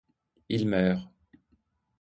Il meurt.